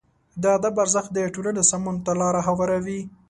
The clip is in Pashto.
د ادب ارزښت د ټولنې سمون ته لاره هواروي.